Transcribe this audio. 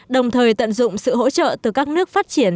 đồng thời tận dụng sự hỗ trợ từ các nước phát triển